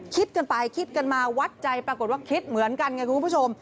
คิดกันไปคิดกันมาวัดใจปรากฏว่าคิดเหมือนกันไงคุณผู้ชม